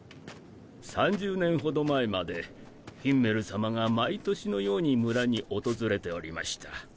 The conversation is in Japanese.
３０年ほど前までヒンメル様が毎年のように村に訪れておりました。